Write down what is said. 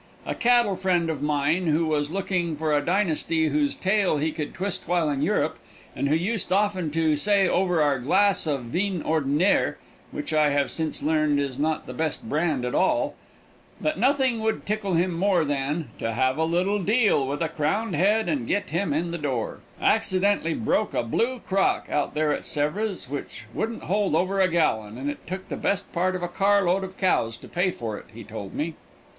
A cattle friend of mine who was looking for a dynasty whose tail he could twist while in Europe, and who used often to say over our glass of vin ordinaire (which I have since learned is not the best brand at all), that nothing would tickle him more than "to have a little deal with a crowned head and get him in the door," accidentally broke a blue crock out there at Sèvres which wouldn't hold over a gallon, and it took the best part of a car load of cows to pay for it, he told me.